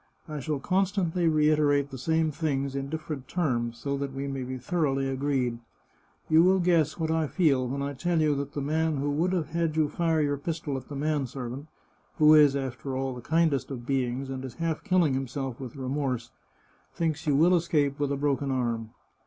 I shall constantly re iterate the same things in different terms, so that we may be thoroughly agreed. You will guess what I feel when I tell you that the man who would have had you fire your pistol at the man servant — who is, after all, the kindest of be ings and is half killing himself with remorse — thinks you will escape with a broken arm.